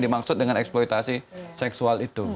dimaksud dengan eksploitasi seksual itu